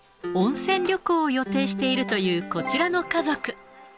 温泉旅行を予定しているという、こちらの家族。